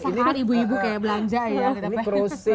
ini samaan ibu ibu kayak belanja ya